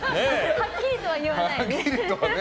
はっきりとは言わないですね。